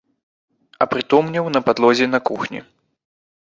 Апрытомнеў на падлозе на кухні.